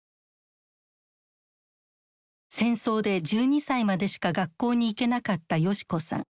戦争で１２歳までしか学校に行けなかった世志子さん。